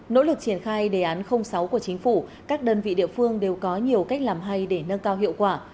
nỗ lực triển khai đề án sáu của chính phủ các đơn vị địa phương đều có nhiều cách làm hay để nâng cao hiệu quả